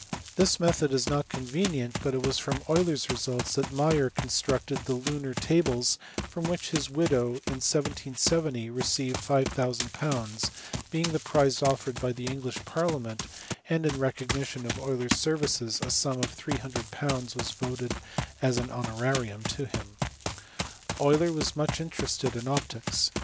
This method is not convenient, but it was from Euler s results that Mayer* constructed the lunar tables for which his widow in 1770 received .5000, being the prize offered by the English parliament, and in recognition of Euler s services a sum of ,300 was voted as an honorarium to him. Euler was much interested in optics.